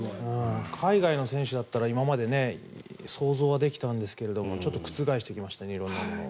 海外の選手だったら今まで想像はできたんですけどちょっと覆してきましたね色んなものを。